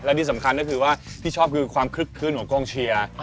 และที่สำคัญนั่นคือว่าที่ชอบคือความครึ้งขึ้นของกล้องเชียอะ